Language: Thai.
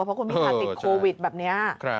เพราะคุณพิธาติดโควิดแบบนี้